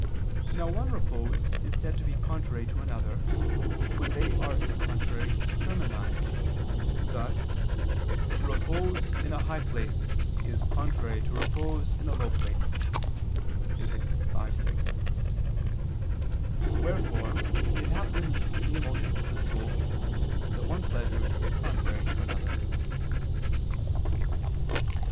Now one repose is said to be contrary to another when they are in contrary termini; thus, "repose in a high place is contrary to repose in a low place" (Phys. v, 6). Wherefore it happens in the emotions of the soul that one pleasure is contrary to another.